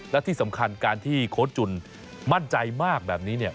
และที่สำคัญการที่โค้ดจุนมั่นใจมากแบบนี้เนี่ย